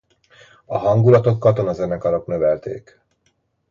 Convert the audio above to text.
A hangulatot katonazenekarok növelték.